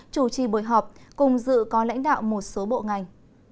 chủ trì buổi họp cùng dự có lãnh đạo một số bộ ngành